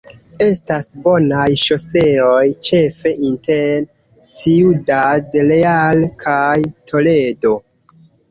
Estas bonaj ŝoseoj ĉefe inter Ciudad Real kaj Toledo.